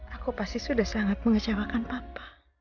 aku pasti sudah sangat mengecewakan apa